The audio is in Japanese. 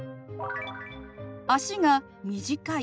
「足が短い」。